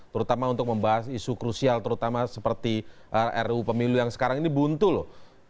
terutama untuk membahas isu krusial terutama seperti ru pemilu yang sekarang ini buntu loh